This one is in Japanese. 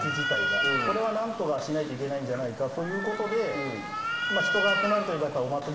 これはなんとかしないといけないんじゃないかということで。